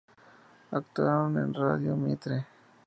Actuaron en Radio Mitre.